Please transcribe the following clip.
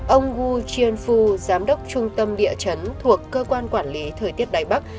ông wu jianfu giám đốc trung tâm địa chấn thuộc cơ quan quản lý thời tiết đài bắc